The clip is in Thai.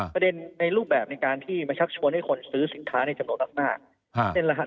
ในรูปแบบในการที่มาชักชวนให้คนซื้อสินค้าในจำนวนมาก